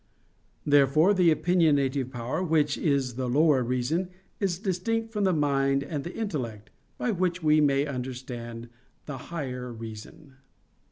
Therefore the opinionative power, which is the lower reason, is distinct from the mind and the intellect, by which we may understand the higher reason.